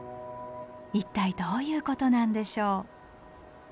一体どういうことなんでしょう？